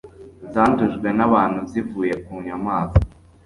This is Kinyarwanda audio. zandujwe abantu zivuye ku nyamaswa.